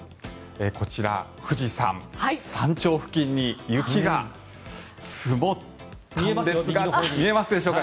こちら、富士山山頂付近に雪が積もったんですが見えますでしょうか。